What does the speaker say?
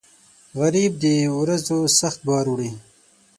غریب د ورځو سخت بار وړي